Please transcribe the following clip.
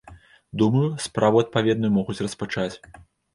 Думаю, справу адпаведную могуць распачаць.